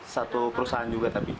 satu perusahaan juga tapi